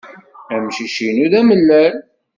Amcic-inu d amellal.